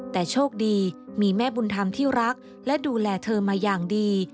แต่โชคดีมีแม่บุญธรรมที่รักและดูแลเธอมาอย่างดี